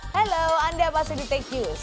halo anda masih di tech news